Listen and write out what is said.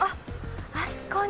あそこに。